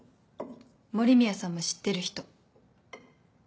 森宮さんも知ってる人。